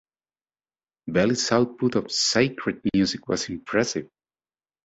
Belli's output of sacred music was impressive.